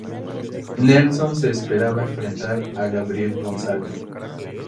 Nelson se esperaba enfrentar a Gabriel Gonzaga.